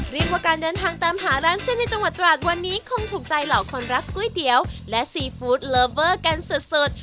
เรียกว่าการเดินทางตามหาร้านเส้นในจังหวัดตราดวันนี้คงถูกใจเหล่าคนรักก๋วยเตี๋ยวและซีฟู้ดเลิฟเวอร์กันสุด